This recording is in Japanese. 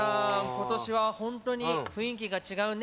今年は本当に雰囲気が違うね。